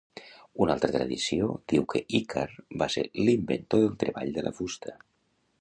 Una altra tradició diu que Ícar va ser l'inventor del treball de la fusta.